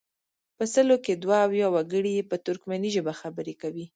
په سلو کې دوه اویا وګړي یې په ترکمني ژبه خبرې کوي.